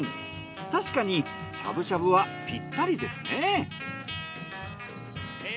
確かにしゃぶしゃぶはピッタリですね。